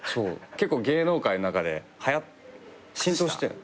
結構芸能界の中で浸透してる。